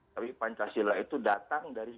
tapi pancasila itu datang dari